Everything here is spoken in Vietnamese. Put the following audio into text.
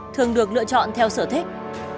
thường được lựa chọn theo sở thích